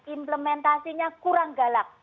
implementasinya kurang galak